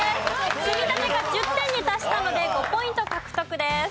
積み立てが１０点に達したので５ポイント獲得です。